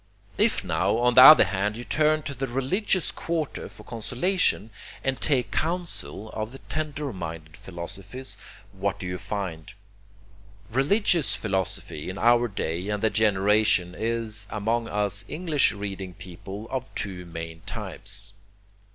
If now, on the other hand, you turn to the religious quarter for consolation, and take counsel of the tender minded philosophies, what do you find? Religious philosophy in our day and generation is, among us English reading people, of two main types.